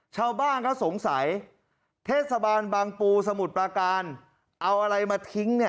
ชาวบ้านก็สงสัยเทศบาลบางปูสมุทรปราการเอาอะไรมาทิ้งเนี่ย